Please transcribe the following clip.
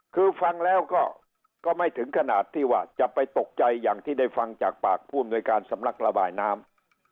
คือฟังแล้วก็ก็ไม่ถึงขนาดที่ว่าจะไปตกใจอย่างที่ได้ฟังจากปากผู้อำนวยการสำนักระบายน้ำ